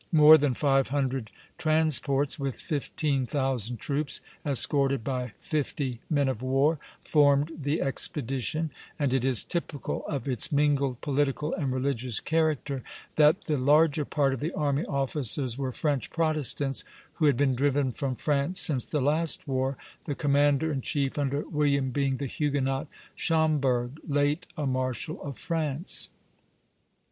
More than five hundred transports, with fifteen thousand troops, escorted by fifty men of war, formed the expedition; and it is typical of its mingled political and religious character, that the larger part of the army officers were French Protestants who had been driven from France since the last war, the commander in chief under William being the Huguenot Schomberg, late a marshal of France.